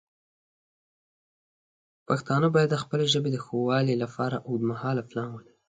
پښتانه باید د خپلې ژبې د ښه والی لپاره اوږدمهاله پلان ولري.